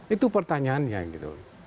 itu pertanyaannya gitu